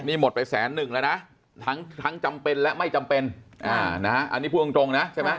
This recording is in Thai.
นี่หมดไปแสนหนึ่งแล้วนะทั้งทั้งจำเป็นและไม่จำเป็นอันนี้พูดตรงนะใช่ไหม